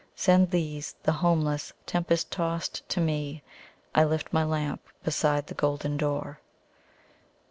Send these, the homeless, tempest tost to me,I lift my lamp beside the golden door!"